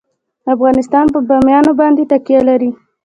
افغانستان په بامیان باندې تکیه لري.